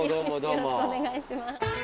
よろしくお願いします。